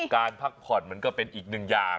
พักผ่อนมันก็เป็นอีกหนึ่งอย่าง